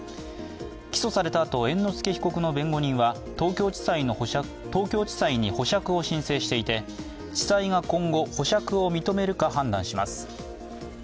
起訴されたあと猿之助被告の弁護人は東京地裁に保釈を申請していて、地裁が今後、保釈を認めるか判断します。